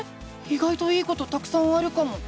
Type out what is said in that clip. いがいといいことたくさんあるかも！